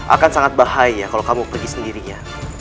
akan sangat bahaya kalau kamu pergi sendirinya